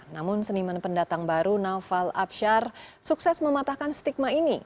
namun seniman pendatang baru naufal absyar sukses mematahkan stigma ini